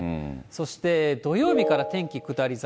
そして土曜日から天気下り坂。